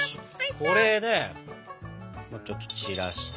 これでちょっと散らして。